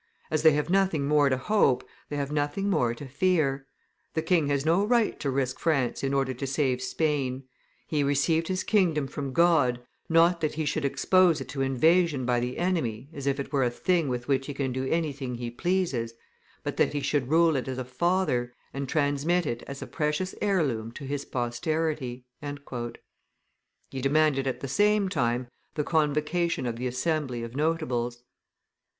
As they have nothing more to hope, they have nothing more to fear. The king has no right to risk France in order to save Spain; he received his kingdom from God, not that he should expose it to invasion by the enemy, as if it were a thing with which he can do anything he pleases, but that he should rule it as a father, and transmit it as a precious heirloom to his posterity." He demanded at the same time the convocation of the assembly of notables.